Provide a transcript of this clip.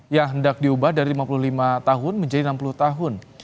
yang hendak diubah dari lima puluh lima tahun menjadi enam puluh tahun